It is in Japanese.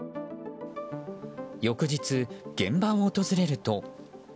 翌日、現場を訪れると。